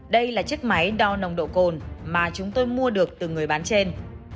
đây là chiếc máy đo nồng độ cồn mà chúng tôi mua được từ người bán trên